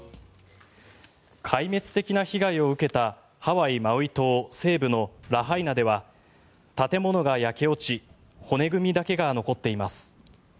壊滅的な被害を受けたハワイ・マウイ島西部のラハイナでは建物が焼け落ち骨組みだけが残っています。